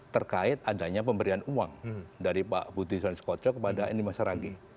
berkait adanya pemberian uang dari pak budisuner koco kepada eni maulis harage